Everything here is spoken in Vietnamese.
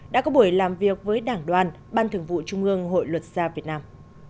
đã có buổi làm việc với đảng đoàn ban thường vụ trung ương hội luật gia việt nam